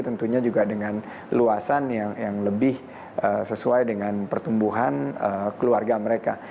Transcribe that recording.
tentunya juga dengan luasan yang lebih sesuai dengan pertumbuhan keluarga mereka